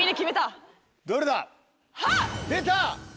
出た！